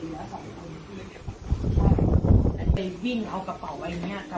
ดูเขาแล้วเห็นน้องผู้ชายอ่ะดึงกระเป๋าสีเหลืองออกมาแล้ว